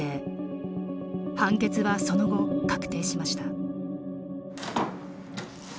判決はその後、確定しました。